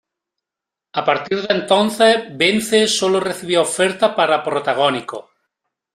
A partir de entonces, Bence solo recibía ofertas para protagónicos.